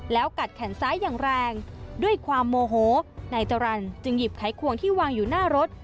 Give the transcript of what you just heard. แล้วกัดแขนซ้ายอย่างแรงด้วยความโมโหนายจรรย์จึงหยิบไขควงที่วางอยู่หน้ารถ